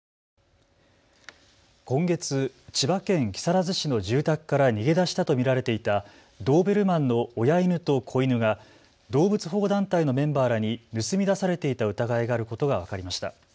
今月、千葉県木更津市の住宅から逃げ出したと見られていたドーベルマンの親犬と子犬が動物保護団体のメンバーらに盗み出されていた疑いがあることが分かりました。